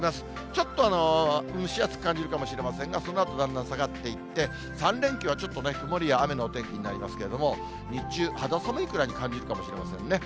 ちょっと蒸し暑く感じるかもしれませんが、そのあと、だんだん下がっていって、３連休はちょっとね、曇りや雨のお天気になりますけれども、日中、肌寒いくらいに感じるかもしれませんね。